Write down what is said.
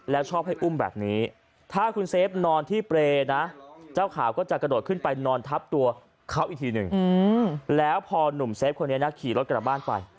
แล้วพอหนุ่มเซปต์คนนี้นะขี่รถกลับบ้านไป